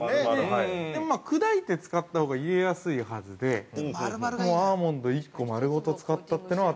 砕いて使ったほうが入れやすいはずでアーモンド一個丸ごと使ったっていうのが